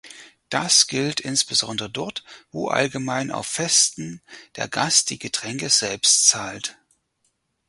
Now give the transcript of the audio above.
Das gilt insbesondere dort, wo allgemein auf Festen der Gast die Getränke selbst zahlt.